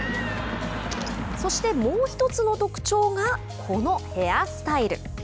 そして、もうひとつの特徴がこのヘアスタイル。